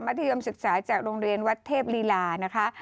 ธยมศึกษาจากโรงเรียนวัดเทพลีลานะคะ